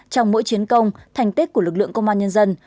trong mỗi chiến công thành tích của lực lượng công an nhân dân